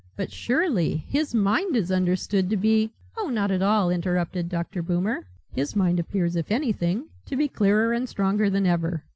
"But surely his mind is understood to be " "Oh not at all," interrupted Dr. Boomer. "His mind appears if anything, to be clearer and stronger than ever.